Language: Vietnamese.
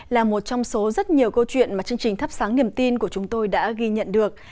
là một trong số rất nhiều câu chuyện mà chương trình thắp sáng niềm tin của chúng tôi đã ghi nhận được